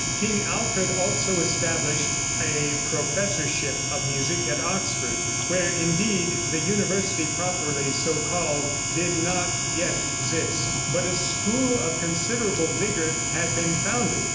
King Alfred also established a professorship of music at Oxford, where, indeed, the university, properly so called, did not yet exist, but a school of considerable vigor had been founded.